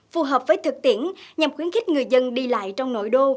phù hợp với thực tiễn nhằm khuyến khích người dân đi lại trong nội đô